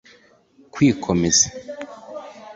Kwikomeza